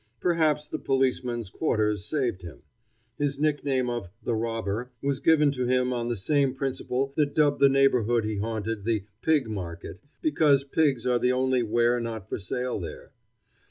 Perhaps the policeman's quarters saved him. His nickname of "the Robber" was given to him on the same principle that dubbed the neighborhood he haunted the Pig Market because pigs are the only ware not for sale there.